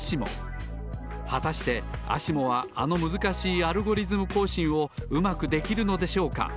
はたしてＡＳＩＭＯはあのむずかしい「アルゴリズムこうしん」をうまくできるのでしょうか。